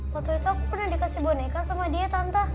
waktu itu aku pernah dikasih boneka sama dia tante